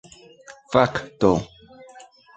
fakto